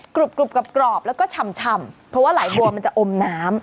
กรุบกรุบกรอบกรอบแล้วก็ช่ำช่ำเพราะว่าไหลบัวมันจะอมน้ำ